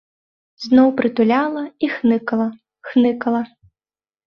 Зноў прытуляла і хныкала, хныкала.